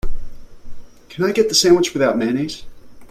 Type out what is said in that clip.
Can I get the sandwich without mayonnaise?